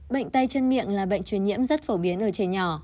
bệnh tay chân miệng là bệnh truyền nhiễm rất phổ biến ở trẻ nhỏ